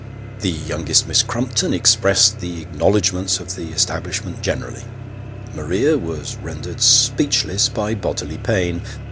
The youngest Miss Crumpton expressed the acknowledgments of the establishment generally. Maria was rendered speechless by bodily pain.